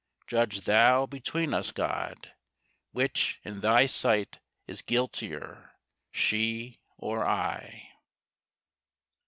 Judge Thou between us, God, Which in Thy sight is guiltier, she or I?